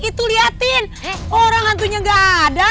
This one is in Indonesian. itu liatin orang hantunya gak ada